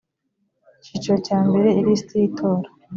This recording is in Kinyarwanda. icyiciro cya mbere ilisiti y’itora